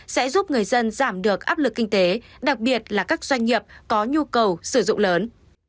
sẽ giúp người dân giảm được áp lực kinh tế đặc biệt là các doanh nghiệp có nhu cầu sử dụng lớn